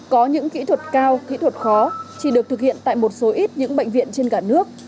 có những kỹ thuật cao kỹ thuật khó chỉ được thực hiện tại một số ít những bệnh viện trên cả nước